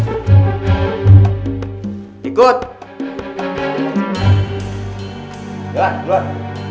kamu berdua diam